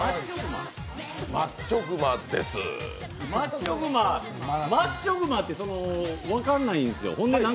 マッチョ熊マッチョ熊って分かんないんですよ。